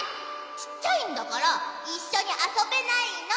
ちっちゃいんだからいっしょにあそべないの！